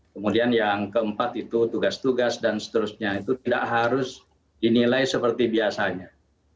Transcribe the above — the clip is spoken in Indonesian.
kemudian yang keempat itu tugas tugas dan seterusnya itu tidak harus dinilai seperti biasanya